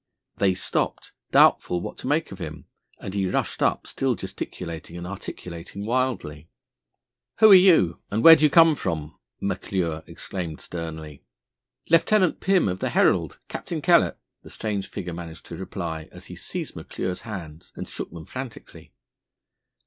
They stopped, doubtful what to make of him, and he rushed up, still gesticulating and articulating wildly. "Who are you, and where do you come from?" McClure exclaimed sternly. "Lieutenant Pim, of the Herald, Captain Kellett," the strange figure managed to reply, as he seized McClure's hands and shook them frantically.